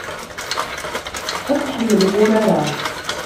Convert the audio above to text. Ad tḥemmlem urar-a.